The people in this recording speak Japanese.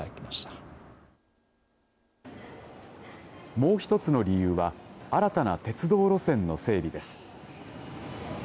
もう一つの理由は新たな鉄道路線の整備です。